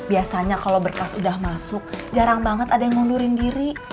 biasanya kalau berkas udah masuk jarang banget ada yang ngundurin diri